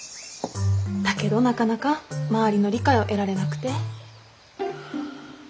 だけどなかなか周りの理解を得られなくて。